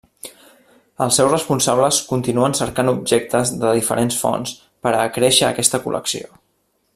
Els seus responsables continuen cercant objectes de diferents fonts per acréixer aquesta col·lecció.